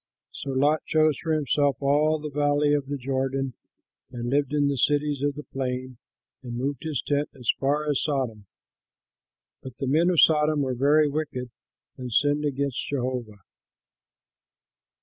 So Lot chose for himself all the valley of the Jordan, and lived in the cities of the plain and moved his tent as far as Sodom. But the men of Sodom were very wicked and sinned against Jehovah.